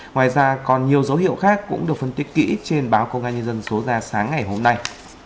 ngoài ra còn nhiều dấu hiệu khác cũng được phân tích kỹ trên báo công an nhân dân số ra sáng ngày hôm nay